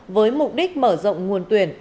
với mục đích mở rộng nguồn tuyển